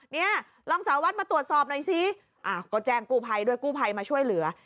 นี่รองสารวัตรมาตรวจสอบหน่อยสิก็แจ้งกู้ไพด้วยกู้ไพด้วยมาช่วยเหลือ